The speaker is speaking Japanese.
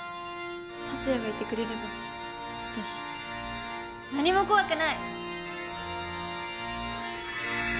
達也がいてくれれば私何も怖くない。